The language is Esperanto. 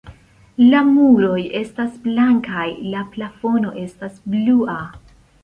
La muroj estas blankaj, la plafono estas blua.